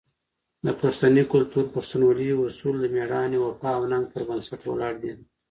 د پښتني کلتور "پښتونولي" اصول د مېړانې، وفا او ننګ پر بنسټ ولاړ دي.